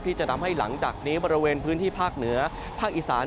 ที่จะทำให้หลังจากนี้บริเวณพื้นที่ภาคเหนือภาคอีสาน